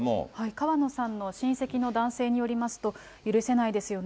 川野さんの親戚の男性によりますと、許せないですよね。